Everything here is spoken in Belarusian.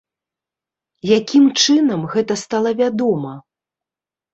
Якім чынам гэта стала вядома?